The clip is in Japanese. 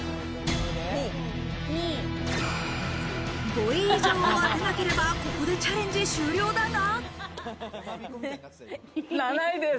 ５位以上を当てなければ、ここでチャレンジ終了だが。